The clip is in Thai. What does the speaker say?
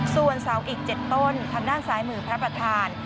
ส่วนเสาอีก๗ต้นทางด้านซ้ายมือพระประธาน